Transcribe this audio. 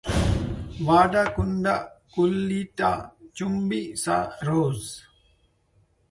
Wadakunda kuleta chumbi sa rose.